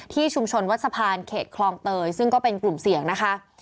ที่ชุมชนวัดสะพานเขตคลองเตยซึ่งก็เป็นกลุ่มเสี่ยงนะคะ